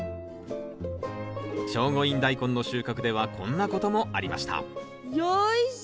聖護院ダイコンの収穫ではこんなこともありましたよいしょ。